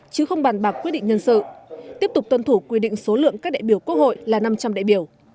chứ không bàn bạc quyết định nhân sự tiếp tục tuân thủ quy định số lượng các đại biểu quốc hội là năm trăm linh đại biểu